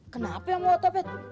kenapa yang mau otopet